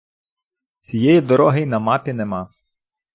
Цієї дороги й на мапі нема.